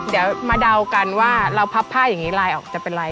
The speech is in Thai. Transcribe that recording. เดี๋ยวมาเดากันว่าเราพับผ้าอย่างนี้ลายออกจะเป็นไร